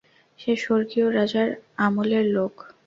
সে স্বর্গীয় রাজার আমলের লোক।